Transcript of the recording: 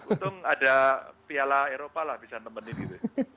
untung ada piala eropa lah bisa nemenin itu